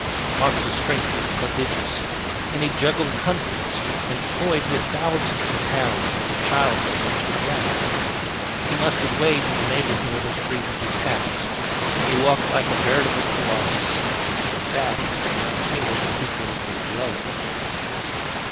Marx's strength was prodigious, and he juggled hundreds, and toyed with thousands, of pounds as a child plays with a rattle. He must have weighed in the neighborhood of three hundred pounds, and he walked like a veritable colossus. In fact, he reminded me of a two footed baby elephant.